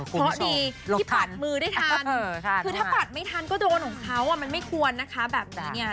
เพราะดีที่ปัดมือได้ทันคือถ้าปัดไม่ทันก็โดนของเขามันไม่ควรนะคะแบบนี้เนี่ย